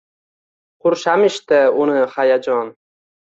Qurshamishdi uni hayajon